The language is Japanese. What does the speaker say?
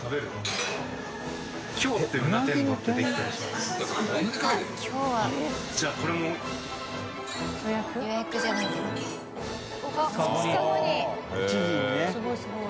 すごいすごい。